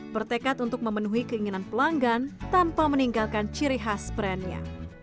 bertekad untuk memenuhi keinginan pelanggan tanpa meninggalkan ciri khas brandnya